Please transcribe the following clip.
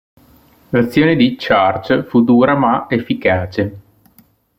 L'azione di Church fu dura ma efficace.